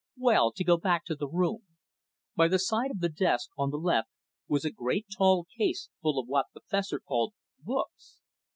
Well, to go back to the room. By the side of the desk, on the left, was a great tall case full of what the Fessor called books.